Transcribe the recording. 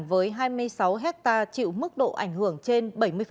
với hai mươi sáu hectare chịu mức độ ảnh hưởng trên bảy mươi